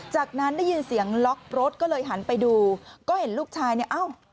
จากนั้นได้ยินเสียงล็อกรถก็เลยหันไปดูก็เห็นลูกชายเนี่ยเอ้า